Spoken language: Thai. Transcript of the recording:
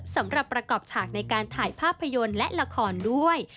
สำหรับประกอบฉากในการถ่ายภาพยนตร์และละครด้วย